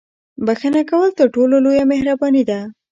• بښنه کول تر ټولو لویه مهرباني ده.